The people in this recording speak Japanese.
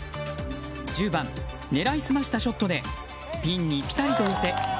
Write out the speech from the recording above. １０番、狙い澄ましたショットでピンにピタリと寄せ